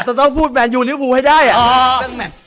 สต้องต้องพูดพูดเนี้ยให้ได้อ่ะ